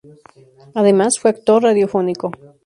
Además, fue actor radiofónico.